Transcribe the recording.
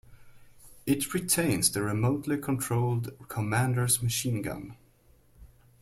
It retains the remotely controlled commander's machine gun.